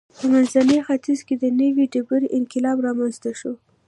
په منځني ختیځ کې د نوې ډبرې انقلاب رامنځته شو.